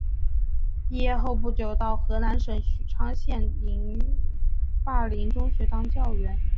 毕业后不久到河南省许昌县灞陵中学当教员。